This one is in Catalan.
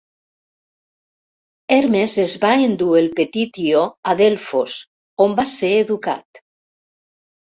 Hermes es va endur el petit Ió a Delfos on va ser educat.